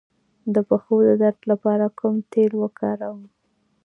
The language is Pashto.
د پښو د درد لپاره کوم تېل وکاروم؟